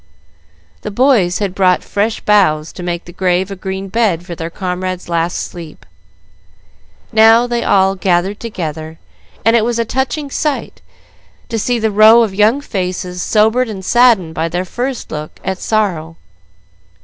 The boys had brought fresh boughs to make the grave a green bed for their comrade's last sleep. Now they were all gathered together, and it was a touching sight to see the rows of young faces sobered and saddened by their first look at sorrow.